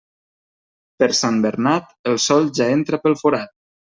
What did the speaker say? Per Sant Bernat, el sol ja entra pel forat.